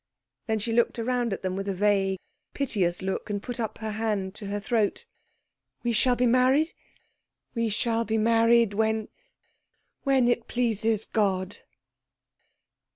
Then she looked round at them with a vague, piteous look, and put her hand up to her throat. "We shall be married we shall be married when when it pleases God."